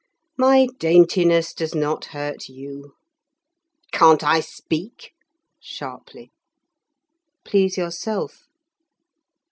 "My daintiness does not hurt you." "Can't I speak?" (sharply) "Please yourself."